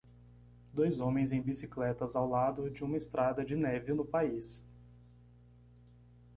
dois homens em bicicletas ao lado de uma estrada de neve no país